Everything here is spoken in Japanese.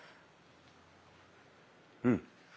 うん。